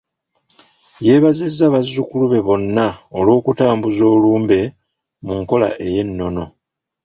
Yeebazizza bazzukulu be bano olw'okutambuza olumbe mu nkola ey'ennono.